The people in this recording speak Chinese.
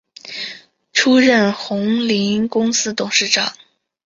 出任鸿霖公司董事长。